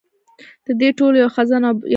د دې ټولو یو خزان او یو بهار و.